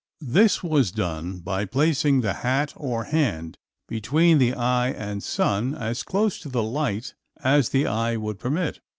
This was done by placing the hat or hand between the eye and sun as close to the light as the eye would permit.